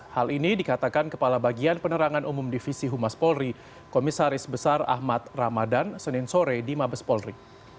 hal ini dikatakan kepala bagian penerangan umum divisi humas polri komisaris besar ahmad ramadan senin sore di mabes polri